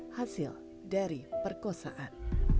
hasil dari perkosaan